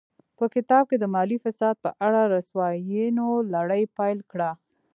په کتاب کې د مالي فساد په اړه رسواینو لړۍ پیل کړه.